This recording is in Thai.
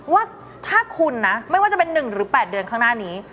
ว่าถ้าคุณนะไม่ว่าจะเป็น๑หรือ๘เดือนข้างหน้านี้